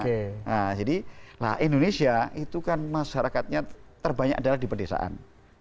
nah jadi lah indonesia itu kan masyarakatnya terbanyak adalah di pedesaan